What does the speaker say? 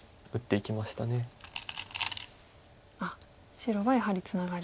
白はやはりツナガリ。